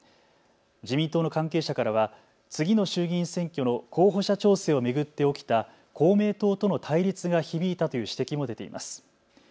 自民党の関係者からは次の衆議院選挙の候補者調整を巡って起きた公明党との対立が響いたという指摘も出ています。